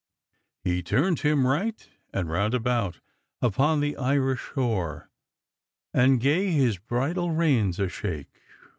" He tuni'd him right and round about, Upon the Irish shore ; And gae his bridle reins a shake.